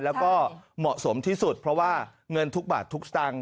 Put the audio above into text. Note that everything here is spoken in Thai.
แล้วก็เหมาะสมที่สุดเพราะว่าเงินทุกบาททุกสตางค์